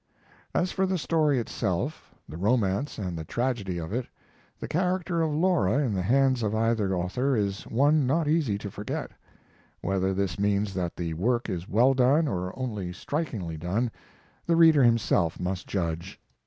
As for the story itself the romance and tragedy of it the character of Laura in the hands of either author is one not easy to forget. Whether this means that the work is well done, or only strikingly done, the reader himself must judge.